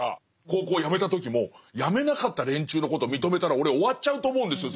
高校をやめた時もやめなかった連中のことを認めたら俺終わっちゃうと思うんですよ